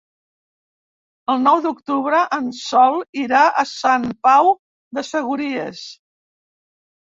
El nou d'octubre en Sol irà a Sant Pau de Segúries.